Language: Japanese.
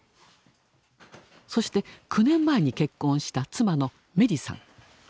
そして９年前に結婚した妻の明理さん。